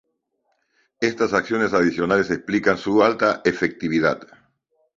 Estas acciones adicionales explican su alta efectividad.